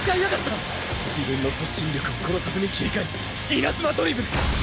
自分の突進力を殺さずに切り返すイナズマドリブル！